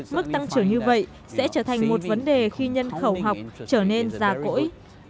mức tăng trưởng như vậy sẽ trở thành một vấn đề khi nhân khẩu học trở nên già cỗi